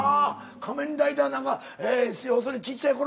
仮面ライダーなんか要するにちっちゃいころ